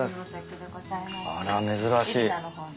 あら珍しい。